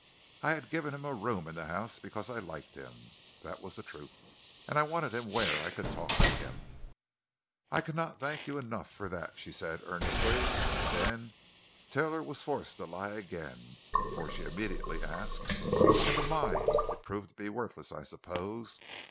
I had given him a room in the house because I liked him (that was the truth), and I wanted him where I could talk to him." "I cannot thank you enough for that!" she said earnestly. And then Taylor was forced to lie again, for she immediately asked: "And the mine? It proved to be worthless, I suppose.